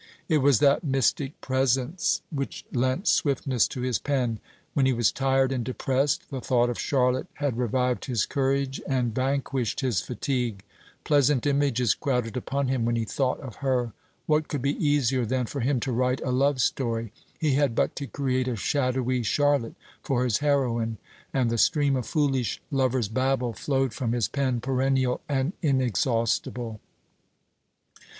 It was that mystic presence which lent swiftness to his pen. When he was tired and depressed, the thought of Charlotte had revived his courage and vanquished his fatigue. Pleasant images crowded upon him when he thought of her. What could be easier than for him to write a love story? He had but to create a shadowy Charlotte for his heroine, and the stream of foolish lover's babble flowed from his pen perennial and inexhaustible.